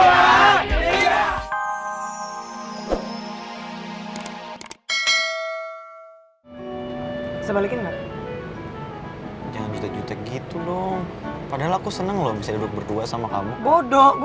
hai sebaliknya jangan ditegit gitu dong padahal aku seneng loh bisa berdua sama kamu bodoh gue